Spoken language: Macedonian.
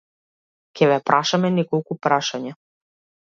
Ќе ве прашаме неколку прашања.